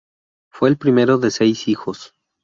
Fue el primero de seis hijos.